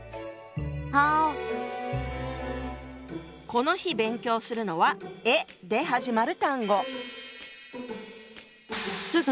この日勉強するのは「え」で始まる単語。